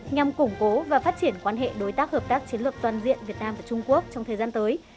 nhằm củng cố và phát triển quan hệ đối tác hợp tác chiến lược toàn diện việt nam và trung quốc trong thời gian tới